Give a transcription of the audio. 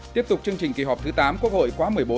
tiếp tục chương trình kỳ họp thứ tám quốc hội khóa một mươi bốn